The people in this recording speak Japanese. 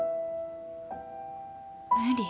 無理。